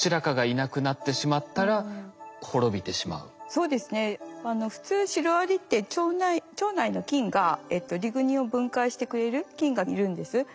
そうですね普通シロアリって腸内の菌がリグニンを分解してくれる菌がいるんです。